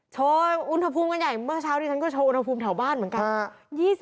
อุณหภูมิกันใหญ่เมื่อเช้าที่ฉันก็โชว์อุณหภูมิแถวบ้านเหมือนกัน